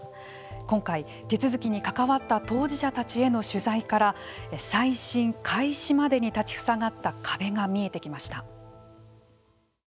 今回、手続きに関わった当事者たちへの取材から再審開始までに立ちふさがった壁が見えてきました。